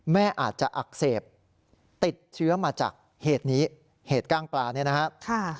แม่อาจจะอักเสบติดเชื้อมาจากเหตุนี้เหตุก้างปลาเนี่ยนะครับ